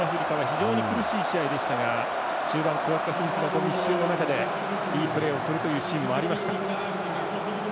準決勝の南アフリカは非常に苦しい試合でしたが終盤にクワッガ・スミスが密集の中でいいプレーをするというシーンもありました。